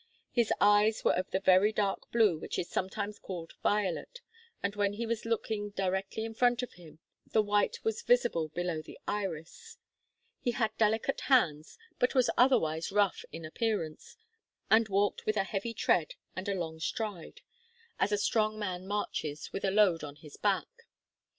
His eyes were of the very dark blue which is sometimes called violet, and when he was looking directly in front of him, the white was visible below the iris. He had delicate hands, but was otherwise rough in appearance, and walked with a heavy tread and a long stride, as a strong man marches with a load on his back.